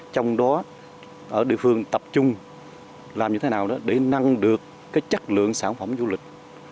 trong đó ở địa phương tập trung làm như thế nào đó để nâng được cái chất lượng sản phẩm du lịch